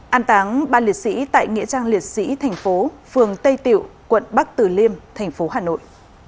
an táng ba liệt sĩ tại nghĩa trang liệt sĩ thành phố phường tây tiệu quận bắc tử liêm thành phố hà nội